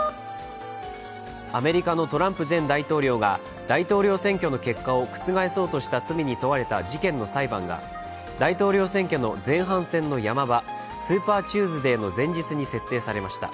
アメリカのトランプ前大統領が大統領選挙の結果を覆そうとした罪に問われた事件の裁判が大統領選挙の前半戦の山場スーパーチューズデーにもうけられました。